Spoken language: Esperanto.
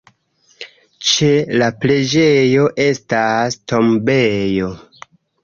Ĉe la preĝejo estas tombejo.